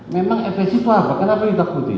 memang efek situ apa kenapa di takuti